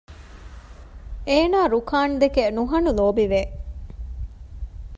އޭނާ ރުކާންދެކެ ނުހަނު ލޯބިވެ